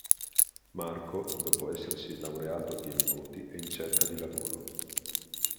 Marco, dopo essersi laureato a pieni voti, è in cerca di lavoro.